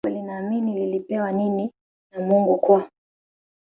lako linaamini lilipewa nini na Mungu kwa